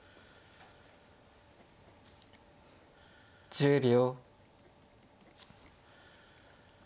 １０秒。